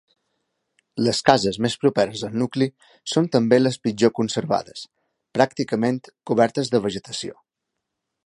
Les cases més properes al nucli són també les pitjor conservades, pràcticament cobertes de vegetació.